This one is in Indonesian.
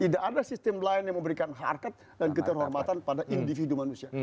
tidak ada sistem lain yang memberikan harkat dan keterhormatan pada individu manusia